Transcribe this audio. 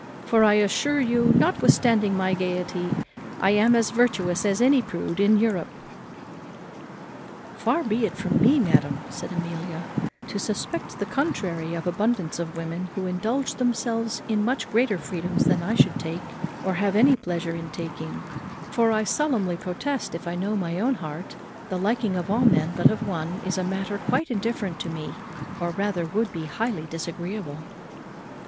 for, I assure you, notwithstanding my gaiety, I am as virtuous as any prude in Europe." "Far be it from me, madam," said Amelia, "to suspect the contrary of abundance of women who indulge themselves in much greater freedoms than I should take, or have any pleasure in taking; for I solemnly protest, if I know my own heart, the liking of all men, but of one, is a matter quite indifferent to me, or rather would be highly disagreeable."